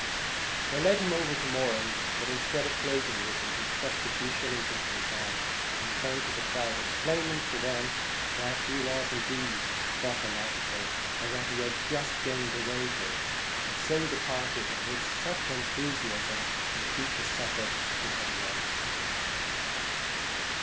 ' They led him over to Moran, but instead of closing with him he thrust a few shil lings into his hand, and turning to the crowd explained to them he was indeed but an actor, and that he had just gained a wager, and so departed amid much en thusiasm, to eat the supper he had won.